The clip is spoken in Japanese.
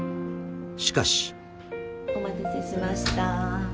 ［しかし］お待たせしました。